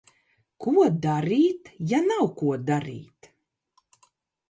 Ko darīt, ja nav, ko darīt?